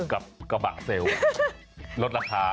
กับกระบะเซลลดรักษา